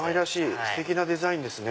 ステキなデザインですね。